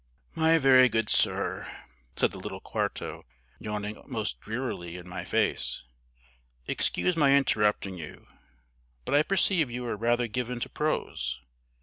"My very good sir," said the little quarto, yawning most drearily in my face, "excuse my interrupting you, but I perceive you are rather given to prose.